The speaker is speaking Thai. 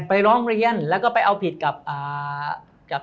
ไปร้องเรียนแล้วก็ไปเอาผิดกับ